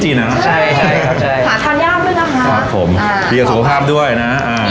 ใช่ใช่ครับหาทำเลี่ยวด้วยนะคะขอบคุณฮะนี่กับสุขภาพด้วยนะอ่า